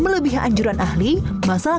melebihan anjuran ahli masalah